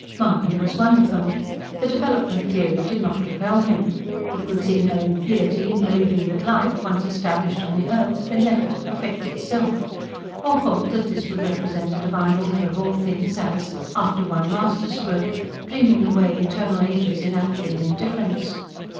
Mahony was one of them. The "development theory" did not repel him. He could see no impiety in believing that life, once established on the earth, had been left to perfect itself. Or hold that this would represent the Divine Author of all things as, after one master stroke, dreaming away eternal ages in apathy and indifference.